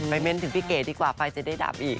ไปเม้นถึงพี่เกดี๊กว่าใกล้จะได้ดับอีก